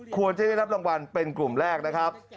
ควรจะได้รับรางวัลเป็นกลุ่มแรกนะครับ